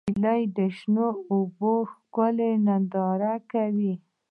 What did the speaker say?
هیلۍ د شنو اوبو ښکلې ننداره جوړوي